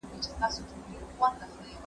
حقوقپوهان د کارګرانو لپاره څه شرایط ټاکي؟